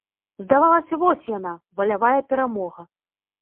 Здавалася, вось яна, валявая перамога.